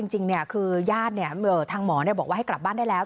จริงคือญาติทางหมอบอกว่าให้กลับบ้านได้แล้ว